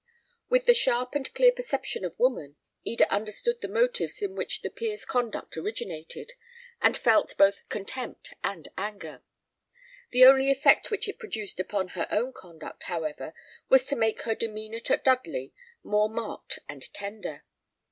With the sharp and clear perception of woman, Eda understood the motives in which the peer's conduct originated, and felt both contempt and anger. The only effect which it produced upon her own conduct, however, was to make her demeanour to Dudley more marked and tender.